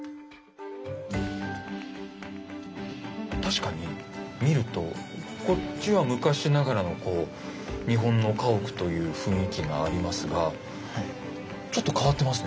確かに見るとこっちは昔ながらのこう日本の家屋という雰囲気がありますがちょっと変わってますね